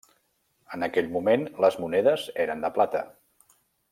En aquell moment les monedes eren de plata.